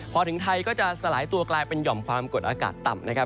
พอถึงไทยก็จะสลายตัวกลายเป็นหย่อมความกดอากาศต่ำนะครับ